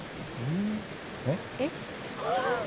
「えっ？」